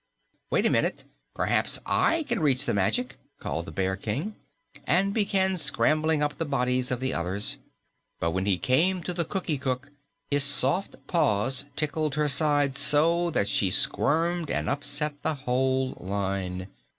"Wait a minute. Perhaps I can reach the magic," called the Bear King, and began scrambling up the bodies of the others. But when he came to the Cookie Cook, his soft paws tickled her side so that she squirmed and upset the whole line.